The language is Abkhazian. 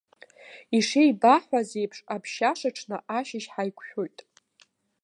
Ишеибаҳҳәаз еиԥш, аԥшьашаҽны ашьыжь ҳаиқәшәоит.